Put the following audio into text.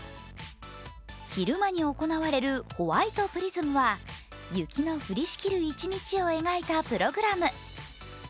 昼間に行われるＷｈｉｔｅＰｒｉｓｍは雪の降りしきる１日を描いたプログラム。